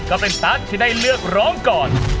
ก็เป็นสตาร์ทที่ได้เลือกร้องก่อน